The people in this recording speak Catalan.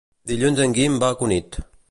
Dilluns en Guim va a Cunit.